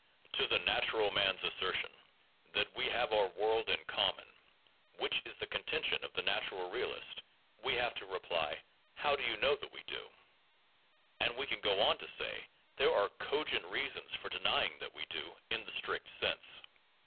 To the "natural man's" assertion that we have our world in common — which is the contention of the "natural" realist — we have to reply, How do you know that we do 1 And we can go on to say, There are cogent reasons for denying that we do, in the strict sense.